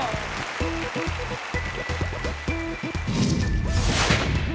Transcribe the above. กับพอรู้ดวงชะตาของเขาแล้วนะครับ